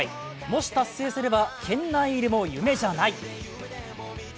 もし達成すれば、圏内入りも夢じゃない。